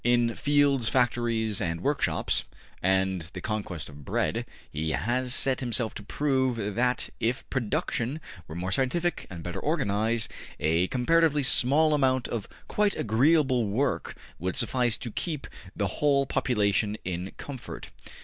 In ``Fields, Factories and Workshops'' and ``The Conquest of Bread'' he has set himself to prove that, if production were more scientific and better organized, a comparatively small amount of quite agreeable work would suffice to keep the whole population in comfort.